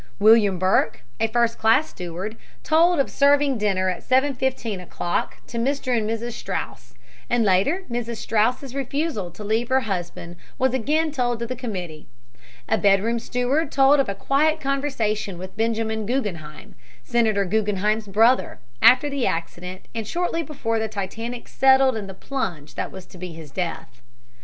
William Burke, a first class steward, told of serving dinner at 7.15 o'clock to Mr. and Mrs. Straus, and later Mrs. Straus' refusal to leave her husband was again told to the committee. A bedroom steward told of a quiet conversation with Benjamin Guggenheim, Senator Guggenheim's brother, after the accident and shortly before the Titanic settled in the plunge that was to be his death.